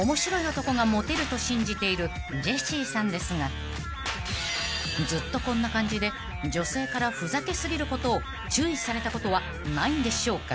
［ジェシーさんですがずっとこんな感じで女性からふざけ過ぎることを注意されたことはないんでしょうか？］